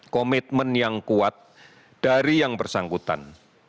komitmen yang kuat dari yang bersangkutan